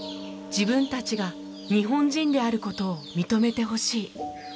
自分たちが日本人であることを認めてほしい。